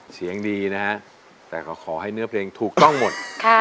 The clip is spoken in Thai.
เสียงดีนะฮะแต่ก็ขอให้เนื้อเพลงถูกต้องหมด